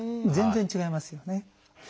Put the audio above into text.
全然違いますよね。